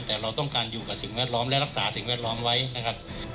แต่เราต้องการอยู่กับสิ่งแวดล้อมและรักษาสิ่งแวดล้อมไว้นะครับ